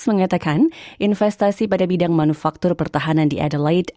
mengatakan investasi pada bidang manufaktur pertahanan di adelaide